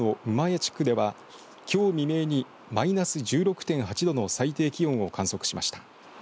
地区ではきょう未明にマイナス１６．８度の最低気温を観測しました。